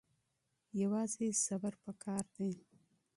یوازې صبر پکار دی.